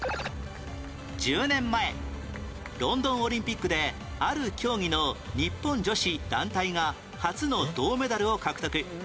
１０年前ロンドンオリンピックである競技の日本女子団体が初の銅メダルを獲得